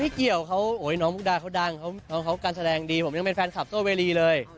เกี่ยวเขาน้องมุกดาเขาดังเขาการแสดงดีผมยังเป็นแฟนคลับโต้เวรีเลย